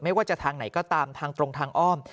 ว่าจะทางไหนก็ตามทางตรงทางอ้อม